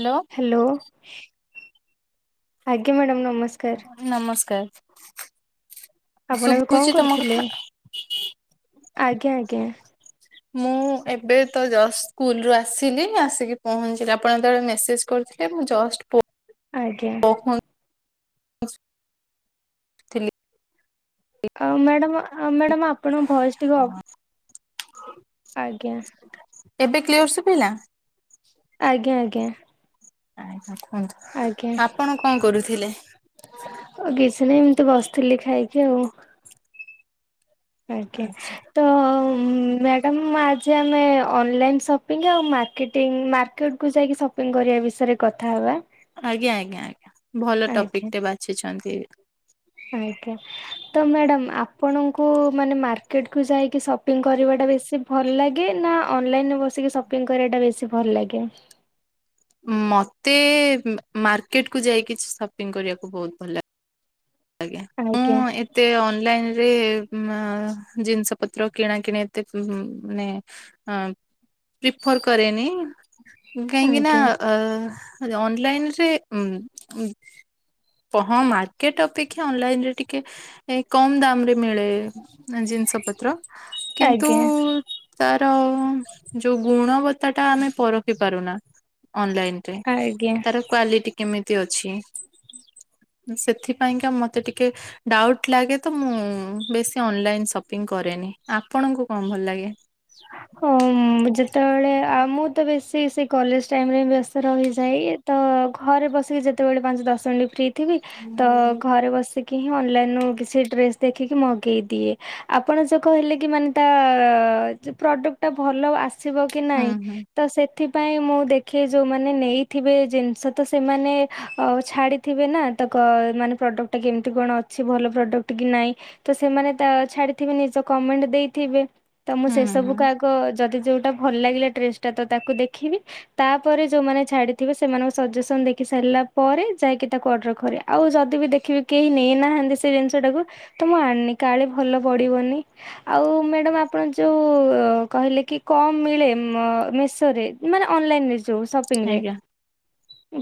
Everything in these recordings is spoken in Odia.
ହାଲୋ। ହାଲୋ ଆଜ୍ଞା ମ୍ୟାଡ଼ାମ ନମସ୍କାର। ନମସ୍କାର। ଆପଣ ଏବେ କଣ ଶୁଭୁଛି ତମ କରୁଥିଲେ କଥା? ଆଜ୍ଞା ଆଜ୍ଞା। ମୁଁ ଏବେ ତ ସ୍କୁଲ ରୁ ଆସିଲି ଆସିକି ପହଞ୍ଚିଲେ ଆପଣ ଯେତେବେଳେ ମେସେଜ କରିଥିଲେ ମୁଁ ଜଷ୍ଟ ଆଜ୍ଞା। ପହଞ୍ଚୁଥିଲି ଆ ମ୍ୟାଡାମ ମ୍ୟାଡାମ ଆପଣଙ୍କ ଭୟସ ଟିକେ ଆଜ୍ଞା ଏବେ କ୍ଲିଅର ଶୁଭିଲା? ଆଜ୍ଞା ଆଜ୍ଞା। ଆଜ୍ଞା କୁହନ୍ତୁ ଆଜ୍ଞା ଆପଣ କଣ କରୁଥିଲେ ଆଉ କିଛି ନାହିଁ ଏମିତି ବସିଥିଲି ଖାଇକି ଆଉ ଆଜ୍ଞା ଆଚ୍ଛା। ତ ମ୍ୟାଡ଼ାାମ ଆଜି ଆମେ ଅନଲାଇନ୍ ସପିଙ୍ଗ ଆଉ ମାର୍କେଟିଂ ମାର୍କେଟକୁୁ ଯାଇକି ସପି କପି କରିବା ବିଷୟରେ କଥା ହବା। ଆଜ୍ଞା ଆଜ୍ଞା ଆଜ୍ଞା ଭଲ ଟପିକ ଟେ ବାଛିଛନ୍ତି। ଆଜ୍ଞା। ତ ମ୍ୟାଡ଼ାମ ଆପଣଙ୍କୁ ମାନେ ମାର୍କେଟକୁୁ ଯାଇକି ସପିଙ୍ଗ କରିବାଟା ବେଶୀ ଭଲ ଲାଗେ ନା ଅନଲାଇନରେ ବସିକି ସପିଙ୍ଗ କରିବାଟା ବେଶୀ ଭଲ ଲାଗେ। ମତେ ମାର୍କେଟ କୁ ଯାଇକି ସପିଂ କରିବାକୁ ବହୁତ ଭଲ ଲାଗେ। ଆଜ୍ଞା। ଆଜ୍ଞା। ଏତେ ଅନଲାଇନରେ ଜିନିଷ ପତ୍ର କିଣା କିିଣା ଏତେ ମାନେ ପ୍ରିଫର କରେନି କାହିଁକି ନା ଆଜ୍ଞା ଅ ଅନଲାଇନରେ ଉହଁ ମାର୍କେଟ ଅପେକ୍ଷା ଅନଲାଇନ ରେ ଟିକେ କମ ଦାମ ରେ ମିଳେ ଜିନିଷ ପତ୍ର କିନ୍ତୁ ଆଜ୍ଞା ତାର ଯୋଉ ଗୁଣବତ୍ତା ଟା ଆମେ ପରଖି ପାରୁନା ଅନଲାଇନ। ଆଜ୍ଞା। ତାର କ୍ଵାଲିଟି କେମିତି ଅଛି ସେଥିପାଇଁ ମତେ ଟିକେ ଡାଉଟ ଲାଗେ ତ ମୁଁ ବେଶୀ ଅନଲାଇନ୍ ସପିଙ୍ଗ କରେନି ଆପଣଙ୍କୁ କଣ ଭଲ ଲାଗେ। ହ ଯେତେବେଳେ ଆ ମୁଁ ତ ବେଶୀ ସେ କଲେଜ ଟାଇମରେ ବ୍ୟସ୍ତ ରହିଯାଏ। ତ ଘରେ ବସିକି ଯେତେବେଳେ ପାଞ୍ଚ ଦଶ ମିନିଟ୍ ଫ୍ରି ଥିବି ହୁଁ ତ ଘରେ ବସିକି କି ହିଁ ଅନଲାଇନ୍ରୁ କିଛି ଡ୍ରେସ୍ ଦେଖିକି ମଗେଇଦିଏ। ଆପଣ ଯ କହିଲେ କି ମାନେ ତା ପ୍ରଡକ୍ଟ ଟା ଭଲ ଆସିବ କି ହୁଁ ନାଇଁ। ତ ସେଥିପାଇଁ ମୁଁ ଦେଖି ଯୋଉମାନେ ନେଇଥିବେ ଜିନିଷ ତ ସେମାନେ ଛାଡି ଥିବେ ନା ତ କ ମାନେ ପ୍ରଡ଼କ୍ଟଟା କେମିତି କଣ ଅଛି ଭଲ ପ୍ରଡ଼କ୍ଟ କି ନାହିଁ। ତ ସେମାନେ ତା ଛାଡିଥିବେ ନିଜ କମେଣ୍ଟ ଦେଇଥିବେ ତ ମୁଁ ହୁଁ ସେ ହୁଁ ସବୁ ବ ଯଦି ଯେଉଁଟା ଭଲ ଲାଗିଲା ଡ୍ରେସ୍ ଟା ତ ତାକୁ ଦେଖିବି। ତାପରେ ଯୋଉମାନେ ଛାଡିଥିବେ, ସେମାନଙ୍କ ସଜେସନ ଦେଖି ସାରିଲା ପରେ ଯାଇକି ତାକୁ ଅର୍ଡର କରେ। ଆଉ ଯଦି ବି ଦେଖିବି କେହି ନେଇନାହାନ୍ତି ସେ ଜିନିଷ ଟାକୁ, ତ ମୁଁ ଆଣିନି କାଳେ ଭଲ ପଡିବନି। ଆଉ ମ୍ୟାଡ଼ାମ ଆପଣ ଯୋଉ କହିଲେ କି କଣ ମିଳେ ମେସୋରେ, ମାନେ ଅନଲାଇନରେ ଯୋଉ ସପ ପିଙ୍ଗରେ। ଆଜ୍ଞା।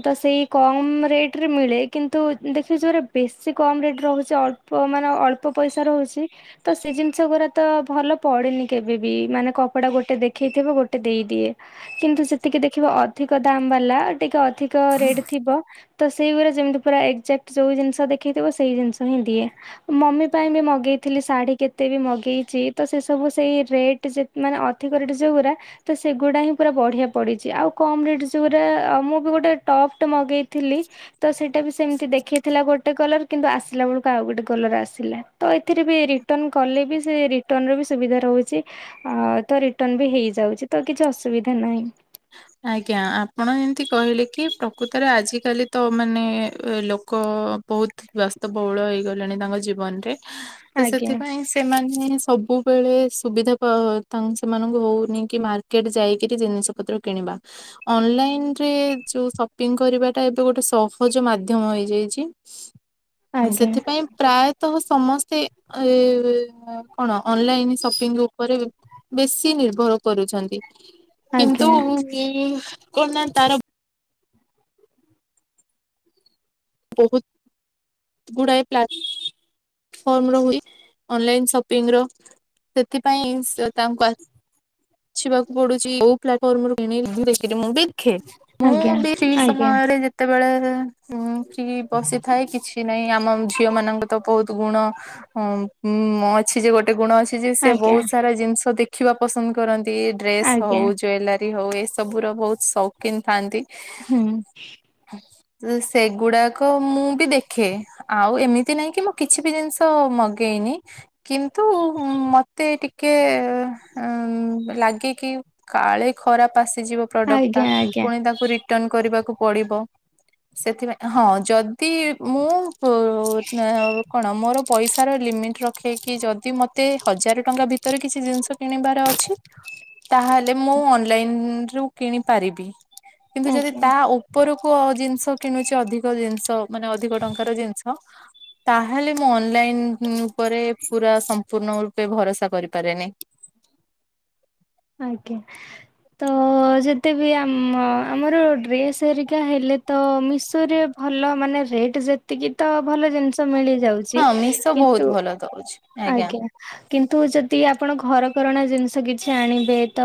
ତ ସେଇ କମ୍ ରେଟରେ ମିଳେ, କିନ୍ତୁ ଦେଖିବି ଯୋଉରା ବେଶୀ କମ୍ ରେଟରେ ରହୁଛି ଅଳ୍ପ ମାନେ ଅଳ୍ପ ପଇସା ରହୁଛି, ତ ସେ ଜିନିଷ ଗୁରା ତ ଭଲ ପଡିନି କେବେ ବି ମାନେ କପଡା ଗୋଟେ ଦେଖେଇଥିବ, ଗୋଟେ ଦେଇଦିଏ। କିନ୍ତୁ ସେତିକି ଦେଖିବ ଅଧିକ ଦାମ୍ ବାଲା, ଟିକେ ଅଧିକ ରେଟ୍ ଥିବ। ତ ସେଇ ଗୁରା ଯେମିତି ପୁରା ଏକ୍ଜାକ୍ଟ ଯୋଉ ଜିନିଷ ଦେଖେଇଥିବ, ସେଇ ଜିନିଷ ହିଁ ଦିଏ। ମମି ପାଇଁ ବି ମଗେଇଥିଲି ଶାଢ଼ୀ, କେତେ ବି ମଗେଇଛି ତ ସେ ସବୁ ସେଇ ରେଟ୍ ଯେ ମାନେ ଅଧିକ ରେଟ୍ ଯୋଉ ଗୁରା ତ ସେଗୁଡ଼ା ହିଁ ପୁରା ବଢିଆ ପଡ଼ିଛି। ଆଉ କମ୍ ରେଟ୍ ଯୋଉଗୁରା, ମୁଁ ବି ଗୋଟେ ଟପ୍ ଟେ ମଗେଇଥିଲି ତ ସେଇଟା ବି ସେମିତି ଦେଖେଇଥିଲା ଗୋଟେ କଲର୍, କିନ୍ତୁ ଆସିଲା ବେଳକୁ ଆଉ ଗୋଟେ କଲର୍ ଆସିଲା। ତ ଏଥିରେ ବି ରିଟର୍ନ କଲେ ବି, ସେ ରିଟର୍ଣ୍ନର ବି ସୁବିଧା ରହୁଛି। ଆଉ ତ ରିଟର୍ନ ବି ହେଇଯାଉଛି ତ କିଛି ଅସୁବିଧା ନାହିଁ। ଆଜ୍ଞା ଆପଣ ଯେମିତି କହିଲେ କି, ପ୍ରକୃତରେ ଆଜିକାଲି ତ ମାନେ ଲୋକ ବହୁତ ବ୍ୟସ୍ତବହୁଳ ହେଇଗଲେଣି ତାଙ୍କ ଜୀବନରେ, ତ ଆଜ୍ଞା ସେଥିପାଇଁ ସେ ସେମାନେ ସବୁବେଳେ ସୁବିଧା ପାଉ, ତାଙ୍କୁ ସେମାନଙ୍କୁ ହଉନି କି ମାର୍କେଟ ଯାଇକିରି ଜିନିଷପତ୍ର କିଣିବା। ଅନଲାଇନରେ, ଯୋଉ ସପିଙ୍ଗ କରିବାଟା ଏବେ ଗୋଟେ ସହଜ ମାଧ୍ୟମ ହେଇଯାଇଛି। ଆଜ୍ଞା ସେଥିପାଇଁ ପ୍ରାୟ ତ ସମସ୍ତେ, ଏ କଣ ଅନଲାଇନ୍ ସପିଙ୍ଗ ଉପରେ ବେଶୀ ନିର୍ଭର କରୁଛନ୍ତି, ଆଜ୍ଞା କିନ୍ତୁ କଣ ନା ତାର ବହୁତ ଗୁଡାଏ ପ୍ଲା ଫର୍ମର ହୁଏ ଅନଲାଇନ ସପିଙ୍ଗର ସେଥିପାଇଁ ତାଙ୍କୁ ପଡୁଚି [unintelligible] ଦେଖେ ମୁଁ ଆଜ୍ଞା ବି ସେଇ ଆଜ୍ଞା ସମୟରେ ଯେ ତେବେଳେ ଫ୍ରି ବସିଥାଏ, କିଛି ନାହିଁ ଆମ ଝିଅ ମାନଙ୍କୁ ତ ବହୁତ ଗୁଣ ଅଛି ଯେ ଗୋଟେ ଗୁଣ ଅଛି ଯେ, ସେ ଆଜ୍ଞା ବହୁତ ସାରା ଜିନିଷ ଦେ ଦେଖିବା ପସନ୍ଦ କରନ୍ତି। ଡ୍ରେସ୍ ଆଜ୍ଞା ହଉ, ଜୁଏଲାରୀ ହଉ ଏସବୁର ବହୁତ ଶୌକିନ ଥାଆନ୍ତି। ହୁଁ। ସେଗୁଡାକ ମୁଁ ବି ଦେଖେ, ଆଉ ଏମିତି ନାଇଁ କି ମ କିଛି ବି ଜିନିଷ ମଗେଇନି, କିନ୍ତୁ ମତେ ଟି କେ ଉଁ ଲାଗେ କି କାଳେ ଖରାପ ଆସିଯିବ ପ୍ରଡକ୍ଟଟା, ଆଜ୍ଞା ଆଜ୍ଞା ପୁଣି ତାକୁ ରିଟର୍ଣ କରିବାକୁ ପଡିବ। ସେଥିପାଇଁ ହଁ ଯଦି ମୁଁ ପ କଣ ମୋର ପଇସାର ଲିମିଟ୍ ରଖେଇକି, ଯଦି ମତେ ହଜାର ଟଙ୍କା ଭିତରେ କିଛି ଜିନିଷ କିଣିବାର ଅଛି, ତାହେଲେ ମୁଁ ଅନଲାଇନରୁ କିଣି ପାରିବି। କିନ୍ତୁ ଯଦି ଆଜ୍ଞା ତା ଉ ଉପରକୁ ଜିନିଷ କିଣୁଛି ଅଧିକ ଜିନିଷ, ମାନେ ଅଧିକ ଟଙ୍କାର ଜିନିଷ। ତାହେଲେ ମୁଁ ଅନଲାଇନ ଉପରେ ପୁରା ସମ୍ପୂର୍ଣ୍ଣ ରୂପେ ଭରସା କରିପାରେନି। ଆଜ୍ଞା ତ ଯେତେ ବି ଆମ ଆମର ଡ୍ରେସ୍ ହେରିକା ହେଲେ ତ ମିଶୋରେ ଭଲ ମାନେ ରେଟ ଯେତିକି ତ ଭଲ ଜିନିଷ ମିଳିଯାଉ ଛି ହଁ ମିଶୋ ବହୁତ କିନ୍ତୁ ଭଲ ଦଉଛି ଆଜ୍ଞା। କିନ୍ତୁ ଯଦି ଆପଣ ଘରକରଣା ଜିନିଷ କିଛି ଆଣିବେ ତ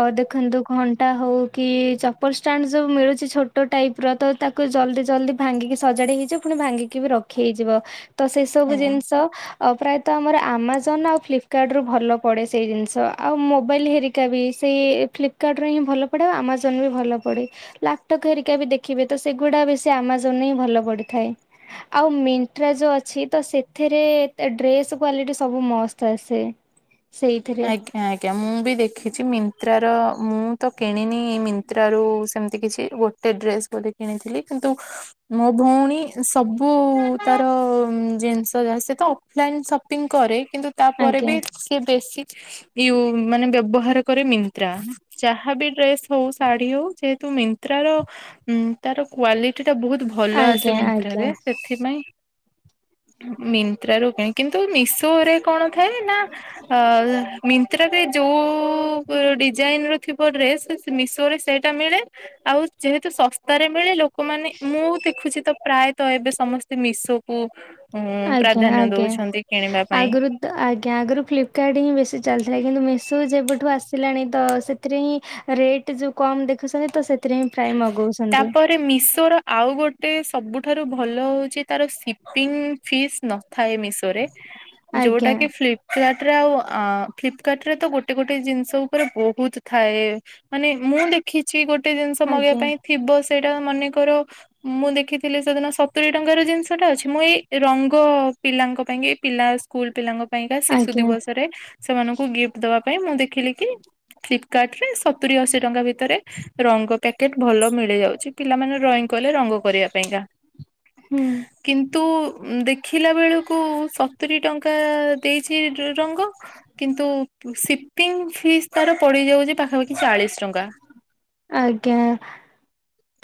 ଅ ଦେଖନ୍ତୁ ଘଣ୍ଟା ହଉ କି, ଚପଲ ଷ୍ଟାଣ୍ଡ ସବୁ ମିଳୁଛି ଛୋଟ ଟାଇପର ତ ତା କୁ ଜଲ୍ଦି ଜଲ୍ଦି ଭାଙ୍ଗିକି ସଜାଡି ହେଇଯିବ, ପୁଣି ଭାଙ୍ଗିକି ବି ରଖି ହେଇଯିବ। ତ ସେ ସବୁ ଆଜ୍ଞା ଜିନିଷ ଆଉ ପ୍ରାୟତଃ ଆମର ଆମାଜନ ଆଉ ଫ୍ଲିପକାର୍ଟରୁୁ ଭଲ ପଡ଼େ ସେଇ ଜିନିଷ ଆଉ ମୋ ମୋବାଇଲ୍ ହେରିକା ବି ସେଇ ଫ୍ଲିପକାର୍ଟରେ ହିଁ ଭଲ ପଡ଼େ ଆଉ ଆମାଜନ ବି ଭଲ ପଡ଼େ। ଲାପଟପ ହେରିକା ବି ଦେଖିବେ ତ ସେଗୁଡା ବେଶୀ ଆମାଜନରେ ହଁ ଭଲ ପଡିଥାଏ। ଆଉ ମୀନ୍ତ୍ରା ଯୋଉ ଅଛି ତ ସେଥିରେ ତା ଡ୍ରେସ୍ କ୍ଵାଲିଟି ସବୁ ମସ୍ତ ଆସେ। ସେଇଥିରେ। ଆ ଆଜ୍ଞା ମୁଁ ବି ଦେଖିଛି ମିନ୍ତ୍ରାର, ମୁଁ ତ କିଣିନି ମି ତ୍ରା ରୁ ସେମିତି କିଛି ଗୋଟେ ଡ୍ରେସ୍ ବୋଧେ କିଣିଥିଲି। କିନ୍ତୁ ମୋ ଭଉଣୀ ସବୁ ତାର ଜିନିଷ ଯାହା ସେ ତ ଅଫଲାଇନ୍ ସପିଙ୍ଗ କରେ କିନ୍ତୁ ତାପରେ ବି ଆଜ୍ଞା ସେ ବେଶୀ ୟୁ ମାନେ ବ୍ୟବହାର କରେ ମିନ୍ତ୍ରା। ଯାହା ବିି ଡ୍ରେସ ହଉ ଶାଢୀ ହଉ ଯେହେତୁ ମିନ୍ତ୍ରାର ଉମ ତାର କ୍ଵାଲି ଟି ଟା ବହୁତ ଭଲ ଆଜ୍ଞା ଆସେ ମିନ୍ତ୍ରା ଆଜ୍ଞା ରେ ସେଥିପାଇଁ ମି ମିନ୍ତ୍ରା ରୁ କିଣେ। କିନ୍ତୁ ମିଶୋ ରେ କଣ ଥାଏ ନା ଅ ତ୍ରା ରେ ଯଉ ଡିଜାଇନ ର ଥିବ ଡ୍ରେସ ମିଶୋ ରେ ସେଇଟା ମିଳେ। ଆଉ ଯେହେତୁ ଶସ୍ତାରେ ମିଳେ ଲୋ କ ମାନେ ମୁଁ ଦେଖୁଛି ତ ପ୍ରାୟତଃ ଏବେ ସମସ୍ତେ ମିଶୋ କୁ ଉଁ ପ୍ରାଧାନ୍ୟ ଦଉଛନ୍ତି କିଣିବା ପାଇଁ। ତ ଆଜ୍ଞା ଆଗରୁ ଫ୍ଲିପକାର୍ଟ ହିଁ ବେଶୀ ଚାଲିଥିଲା କିନ୍ତୁ ମିଶୋ ଯେବେଠୁ ଆସିଲାଣି ତ ସେଥିରେ ହିଁ ରେଟ ଯୋଉ କମ ଦେଖୁଛନ୍ତି ତ ସେଥିରେ ହିଁ ପ୍ରାୟ ମଗଉଛନ୍ତି। ଟେ ମିଶୋ ର ଆଉ ଗୋଟେ ସବୁଠାରୁ ଭଲ ହଉଛି ତାର ସିପିଙ୍ଗ ଫିସ୍ ନ ଥାଏ ମିଶୋ ରେ। ଯୋଉଟା ଆଜ୍ଞା କି ଫ୍ଲିପ ଫ୍ଲାଟ ରେ ଆଉ ଆଁ ଫ୍ଲିପକାର୍ଟ ରେ ତ ଗୋଟେ ଗୋଟେ ଜିନିଷ ଉପରେ ବହୁତ ଥାଏ। ମାନେ ମୁଁ ଦେଖିଛି ଗୋଟେ ଜିନିଷ ମଗେଇବା ଆଜ୍ଞା ପାଇଁ ଥିବ ସେଇଟା ମନେକର ମୁଁ ଦେଖିଥିଲି ସେଦିନ ସତୁରି ଟଙ୍କାର ଜିନିଷ ଟା ଅଛି। ମୁଁ ଏଇ ରଙ୍ଗ ପିଲାଙ୍କ ପାଇଁ କି ପିଲା ସ୍କୁଲ ପିଲାଙ୍କ ପାଇଁକା ଶିଶୁ ଆଜ୍ଞା ଦିବସରେ ସେମାନଙ୍କୁ ଗିଫ୍ଟ ଦବା ପାଇଁ ମୁଁ ଦେଖିଲି କି ଫ୍ଲିପକାର୍ଟ ରେ ସତୁରି ଅଶୀ ଟଙ୍କା ଭିତରେ ରଙ୍ଗ କା କେଟ ଭଲ ମିଳିଯାଉଛି ପିଲାମାନେ ଡ୍ରଇଂ କଲେ ରଙ୍ଗ କରିବା ପାଇଁକା। ହୁଁ। କିନ୍ତୁ ଉମ ଦେଖିଲା ବେଳକୁ ସତୁରି ଟଙ୍କା ଦେଇଛି ର ରଙ୍ଗ କିନ୍ତୁ ସିପିଙ୍ଗ ଫିସ୍ ତାର ପଡ଼ିଯାଉଛି ପାଖାପାଖି ଚାଳିଶ ଟଙ୍କା। ଆଜ୍ଞା।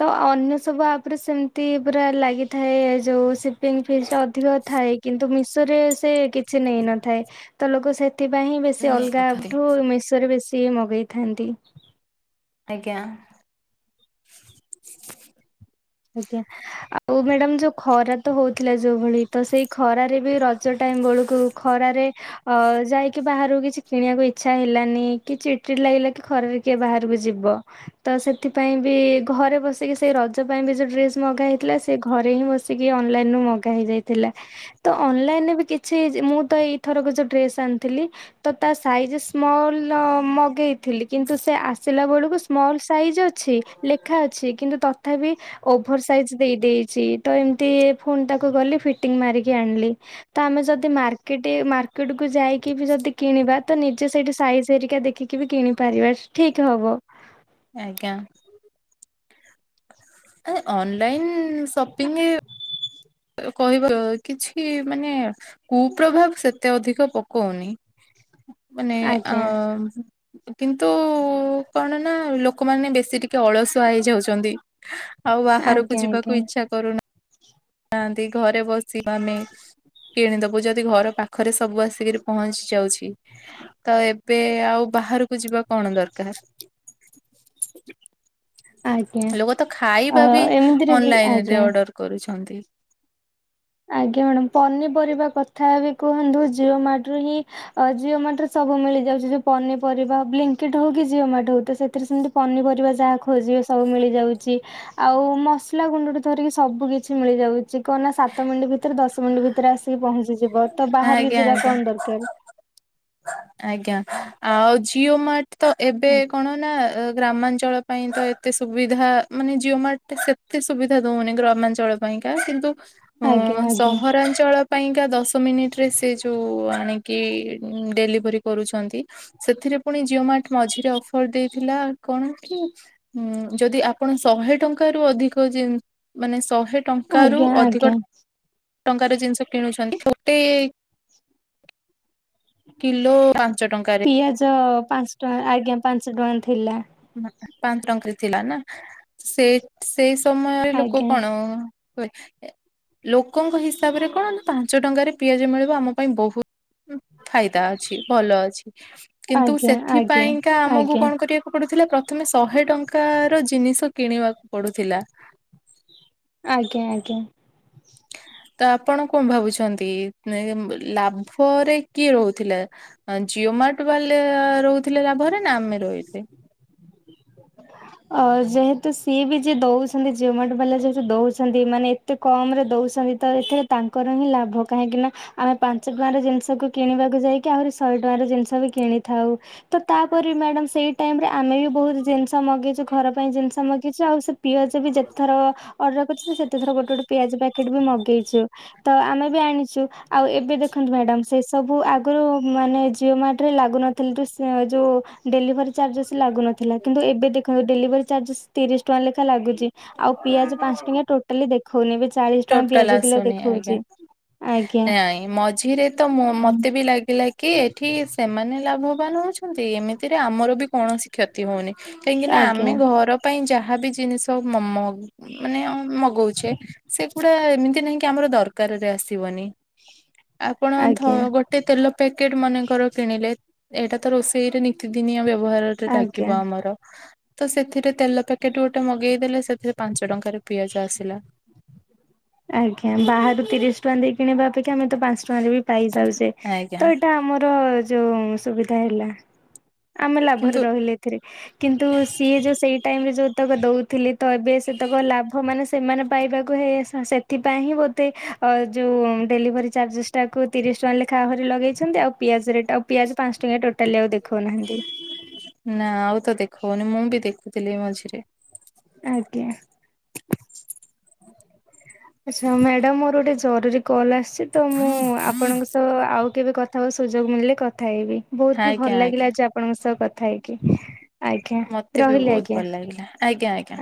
ତ ଅନ୍ୟ ସବୁ ଆପ ରେ ସେମିତି ପୁରା ଲାଗିଥାଏ ଯୋଉ ସିପିଙ୍ଗ ଫିସ୍ ଟା ଅଧିକ ଥାଏ। କିନ୍ତୁ ମିଶୋ ରେ ସେ କିଛି ନେଇନଥାଏ ତ ଲୋକ ସେ ସେଥିପାଇଁ ହିଁ ବେଶୀ ଅଲଗାଠୁ ମିଶୋ ରେ ବେଶୀ ମଗେଇଥାନ୍ତି। ଆଜ୍ଞା। ଆଜ୍ଞା। ଆଉ ମ୍ୟାଡାମ ଯୋଉ ଖରା ତ ହଉଥିଲା ଯୋଉ ଭଳି ତ ସେଇ ଖରାରେ ବି ର ଜ ଟାଇମ୍ ବେଳକୁ ଖରାରେ ଅ ଯାଇକି ବାହାରକୁ କିଛି କିଣିବାକୁ ଇଚ୍ଛା ହେଲାନି କି ଚିଡି ଚିଡି ଲାଗିଲା କି ଖରାରେ କିଏ ବାହାରକୁ ଯିବ। ତ ସେଥିପାଇଁ ବି ଘରେ ବସିକି ସେଇ ରଜ ପାଇଁ ବି ଯୋଉ ଡ୍ରେସ ମଗା ହେଇଥିଲା ସେ ଘରେ ହିଁ ବସିକି ଅନଲାଇନ ରୁ ମଗା ହେଇଯାଇଥିଲା। ତ ଅନଲାଇନରେ ବି କିଛି ଯ ମୁଁ ତ ଏଇଥରକ ଯୋଉ ଡ୍ରେସ ଆଣିଥିଲି। ତ ତା ସାଇଜ ସ୍ମଲ ମଗେଇଥିଲି କିନ୍ତୁ ସେ ଆସିଲା ବେଳକୁ ସ୍ମଲ ସାଇଜ ଅ ଛି। ଲେଖା ଅଛି କିନ୍ତୁ ତଥାପି ଓଭର ସାଇଜ ଦେଇ ଦେଇଛି। ତ ଏମିତି ଫୋନ୍ ଟାକୁ ଗଲି ଫିଟିଙ୍ଗ ମାରିକି ଆଣିଲି। ତ ଆମେ ଯଦି ମାର୍କେଟେ ମାର୍କେଟ କୁ ଯାଇକି ବି ଯଦି କିଣିବା। ତ ନିଜେ ସେଇଠି ସାଇଜ ହେରିକା ଦେଖିକି ବି କିଣିପାରିବା। ଠିକ ହବ। ଆଜ୍ଞା। ଆଁ ଅନଲାଇନ୍ ସପିଙ୍ଗ କହିବ ଅ କିଛି ମାନେ କୁପ୍ରଭାବ ସେତେ ଅଧିକ ପକଉନି। ମାନେ ଆଜ୍ଞା ଆଁ କିନ୍ତୁ କଣ ନା ଲୋକମାନେ ବେଶୀ ଟିକେ ଅଳସୁଆ ହେଇଯାଉଛନ୍ତି ଆଉ ବାହାରକୁ ଆଜ୍ଞା ଆଜ୍ଞା ଯିବାକୁ ଇଚ୍ଛା କରୁନୁ ନାନ୍ତି ଘରେ ବସିି ମାନେ କିଣିଦବୁ ଯଦି ଘର ପାଖରେ ସବୁ ଆସିକରି ପହଞ୍ଚି ଯାଉଛି ତ ଏବେ ଆଉ ବାହାରକୁ ଯିବା କଣ ଦରକାର [inaudible] ଆଜ୍ଞା ଲୋକ ତ ଅ ଖାଇବା ବି ଏମିତିରେ ବି ଅନଲାଇନରେ ଆଜ୍ଞା। ଅର୍ଡର କରୁଛନ୍ତି ଆଜ୍ଞା ମ୍ୟାଡ଼ାମ ପନିପରିବା କଥା ବି କୁହନ୍ତୁ ଜିଓ ମାଟ ରୁ ହିଁ ଅ ଜିଓ ମାଟରେ ସବୁ ମିଳିଯାଉଛି ଯଉ ପନିପରିବା ବ୍ଙ୍କିଡ ହଉ କି ଜିଓ ମଟ ହଉ ତ ସେଥିରେ ସେମି ପନିପରିବା ଯାହା ଖୋଜିବେ ସବୁ ମିଳିଯାଉଛି। ଆଉ ମସଲା ଗୁଣ୍ଡ ଟ ଧରିକି ସବୁ କିଛି ମିଳିଯାଉଛି କଣ ନା ସାତ ମିନିଟ୍ ଭିତରେ ଦଶ ମିନିଟ୍ ଭିତରେ ଆସିକି ପହଞ୍ଚିଯିବ ତ ବାହାରକି ଆଜ୍ଞା ଯିବା ଆଜ୍ଞା। କଣ ଦରକାର। ଆଜ୍ଞା ଆଉ ଜିଓ ମାଟ ତ ଏବେ କଣ ନା ଗ୍ରାମାଞ୍ଚଳ ପାଇଁ ତ ଏତେ ସୁବିଧା ମାନେ ଜିଓ ମାର୍ଟ ସେତେ ସୁବିଧା ଦଉନି ଗ୍ରାମାଞ୍ଚଳ ପାଇଁକା କିନ୍ତୁ ଅ ଆଜ୍ଞା ଆଜ୍ଞା ସହରାଞ୍ଚଳ ପାଇଁକା ଦଶ ମିନିଟରେ ସେ ଯୋଉ ଆଣିକି ଡେଲି [unintelligible] କରୁଛନ୍ତ୍ ସେଥିରେ ପୁଣି ଜିଓ ମାଟ ମଝିରେ ଅଫର ଦେଇଥିଲା କଣ କି ହୁଁ ଯଦି ଆପଣ ଶହେ ଟଙ୍କାରୁୁ ଅଧିକ ମାନେ ଶହେ ଟଙ୍କା ରୁ ଆଜ୍ଞା ଅଧିକ ଆଜ୍ଞା। ଟଙ୍କାର ଜିନିଷ କିଣୁଛନ୍ତି ଛୋଟେ କିଲୋ ପାଞ୍ଚ ଟଙ୍କାରେ ପିଆଜ ପାଞ୍ଚ ଟଙ୍କା ଆଜ୍ଞା ପାଞ୍ଚ ଟଙ୍କା ଥିଲା। ପାଞ୍ଚ ଟଙ୍କରେ ଥିଲା ନା ସେଇ ସେଇ ସମୟରେ ଲୋକ ଆଜ୍ଞା। କଣ ହ ଲୋକଙ୍କ ହିସାବରେ କଣ ପାଞ୍ଚ ଟଙ୍କାରେ ପିଆଜ ମିଳିବ ଆମ ପାଇଁ ବହୁତ ଫାଇଦା ଅଛି ଭଲ ଅଛି କିନ୍ତୁ ଆଜ୍ଞା ଆଜ୍ଞା ସେଥିପାଇଁ କା ଆମକୁ ଆଜ୍ଞା କଣ କରିବା ପଡୁଥିଲା ପ୍ରଥମେ ଶହେ ଟଙ୍କାର ଜିନିଷ କିଣିବାକୁ ପଡୁଥିଲା ଆଜ୍ଞା ଆଜ୍ଞା ତ ଆପଣ କଣ ଭାବୁଛନ୍ତି ଲାଭରେ କିଏ ରହୁଥିଲା ଜିଓ ମାର୍ଟ ବାଲା ରହୁଥିଲେ ଲାଭରେ ନା ଆମେ ରହିଥିଲେ ଅ ଯେହେତୁ ସିଏ ବି ଯିଏ ଦଉଛନ୍ତି ଜିଓମାର୍ଟ ବାଲା ଯେହେତୁ ଦଉଛନ୍ତି ମାନେ ଏତେ କମ ରେ ଦଉଛନ୍ତି ତ ଏଥିରେ ତାଙ୍କର ହିଁ ଲାଭ କାହିଁକି ନା ଆମେ ପାଞ୍ଚ ଟଙ୍କାରେ ଜିନିଷକୁ କିଣିବାକୁ ଯାଇକି ଆହୁରି ଶହେ ଟଙ୍କାର ଜିନିଷ ବି କିଣିଥାଉ ତ ତାପରେ ମ୍ୟାଡମ ସେଇ ଟାଇମ ରେ ଆମେ ବି ବହୁତ ଜିନିଷ ଜିଷ ମଗେଇଛୁ ଘର ପାଇଁ ଜିନିଷ ମଗେଇଛୁ ଆଉ ସେ ପିଆଜ ବି ଯେଥର ଅର୍ଡ଼ର କରିୁଛି ସେତେ ଥର ଗୋଟେ ଗୋଟେ ପିଆଜ ପ୍ୟାକେଟ୍ ବି ମଗେଇଛୁ। ତ ଆମେ ବି ଆଣିଛୁ ଆଉ ଏବେ ଦେଖନ୍ତୁ ମ୍ୟାଡାମ ସେ ସବୁ ଆଗରୁ ମାନେ ଜିଓ ମାର୍ଟ ରେ ଲାଗୁନ ତାହଲେ ଯୋଉ ଡେଲିଭରି ଚାର୍ଜେସ୍ ଲାଗୁନଥିଲା କିନ୍ତୁ ଏବେ ଏବେ ଦେଖନ୍ତୁଡେଲିଭରି ଚାର୍ଜେସ୍ ତିରିଶ ଟଙ୍କା ଲେଖା ଲାଗୁଛି ଆଉ ପିଆଜ ପାଞ୍ଚ ଟଙ୍କା ଟୋଟାଲି ଦେଖଉନି ଏ ଚାଳିଶ ଟଙ୍କା ଟୋଟାଲ ପିଆଜ କିଲୋ ଆସୁନି ଦେଖଉନି ଆଜ୍ଞା। ନାଇଁ ମଝିରେ ତ ମତେ ବି ଲାଗିଲା କି ଏଠି ସେମାନେ ଲାଭବାନ ହଉଛନ୍ତି ଏମିତିରେ ଆମର ବି କୌଣସି କ୍ଷତି ହଉନି। କାହିଁକିନା ଆଜ୍ଞା ଆମେ ଘର ପାଇଁ ଯାହାବି ଜିନିଷ ମ ମାନେ ମଗଉଛେ ସେଗୁଡା ଏମିତି ନହିଁ କି ଆମର ଦରକାର କାରରେ ଆସିବନି ଆପଣଥ ଆଜ୍ଞା। ଗୋଟେ ଗୋଟେ ତେଲ ପ୍ୟାକେଟ ମନେକର କିଣିଲେ ଏଇଟା ତ ରୋଷେଇରେ ନିତିଦିନିଆ ବ୍ୟବହାର ଆଜ୍ଞା ଲ ଆମର ତ ସେଥିରେ ତେଲ ପ୍ୟାକେଟ ଗୋଟେ ମଗେଇଦଲେ ସେଥିରେ ପାଞ୍ଚ ଟଙ୍କା ରେ ପିଆଜ ଆସିଲା। ଆଜ୍ଞା ବାହାରୁ ତିରିଶ ଟଙ୍କା ଦେଇ କିଣିବା ଅପେକ୍ଷା ଆମେ ତ ପାଞ୍ଚ ଟଙ୍କାାରେ ବି ପା- ପାଇଯାଉଛେ ଆଜ୍ଞା ତ ଏଇଟା ଆମର ଯୋଉ ସୁବିଧା ହେଲା ଆମେ କିନ୍ତୁ ଲାଭରେ ରହିଲେ ଏଥିରେ କିନ୍ତ୍ ତୁ ସିଏ ଯୋଉ ସେଇ ଟାଇମ୍ ରେ ଯୋଉ ତକ ଦଉଥିଲି ତ ଏବେ ସେ ତାକ ଲାଭ ମାନେ ସେମାନେ ପାଇବାକୁ ହେଇ ଆସେ। ସେଥିପାଇଁ ହିଁ ବୋତେ ଯୋଉଁ ଡେଲିଭରି ଚାର୍ଜେସ ଟାକୁ ତିରିଶ ଟଙ୍କା ଲେଖା ଭରି ଲଗାଇଛନ୍ତି ଆଉ। ପିଆଜରେ ଆଉ ପିଆଜ ପାଞ୍ଚ ଟଙ୍କା ଟୋଟାଲି ଆଉ ଦେଖଉନାହାନ୍ତି। ନା ଆଉ ତ ଦେଖଉନି ମୁଁ ବି ଦେଖୁଥିଲି ମଝିରେ। ଆଜ୍ଞା। ଆଛା ମ୍ୟାଡାମ ମୋର ଗୋଟେ ଜରୁରୀ କଲ୍ ଆସିଛି। ତ ମୁଁ ଆପଣଙ୍କ ତ ଆଉ କେବେ କଥା ହେବାକୁ ସୁଯୋଗ ମିଳିଲି କଥା ହେବି। ବହୁତ ବି ଆଜ୍ଞା ଭଲ ଆଜ୍ଞା ଲାଗିଲା ଆଜି ଆପଣଙ୍କ ସହ କଥା ହେଇକି ଆଜ୍ଞା ମତେ ବି ରହିଲି ବହୁତ ଆଜ୍ଞା। ଭଲ ଲାଗିଲା ଆଜ୍ଞା ଆଜ୍ଞା।